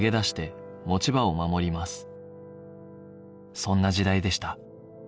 そんな時代でした